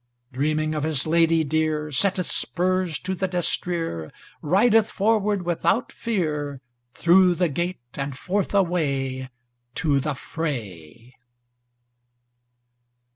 Dreaming of his lady dear Setteth spurs to the destrere, Rideth forward without fear, Through the gate and forth away To the fray.